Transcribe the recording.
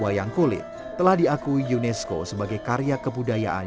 wayang kulit telah diakui unesco sebagai karya kebudayaan